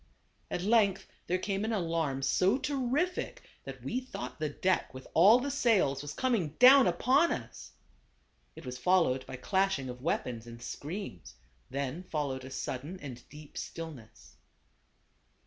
At length there came an alarm so terrific that we thought the deck with all the sails was coming down upon us. It was followed by clashing of weapons and screams; then followed a sudden and deep stillness.